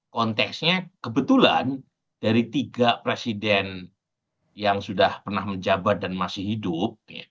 konteksnya kebetulan dari tiga presiden yang sudah pernah menjabat dan masih hidup